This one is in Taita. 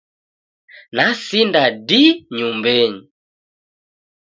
Nasinda di nyumbenyi